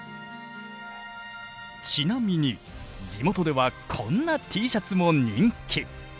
ちなみに地元ではこんなＴシャツも人気。